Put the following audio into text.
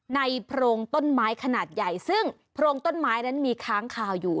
โพรงต้นไม้ขนาดใหญ่ซึ่งโพรงต้นไม้นั้นมีค้างคาวอยู่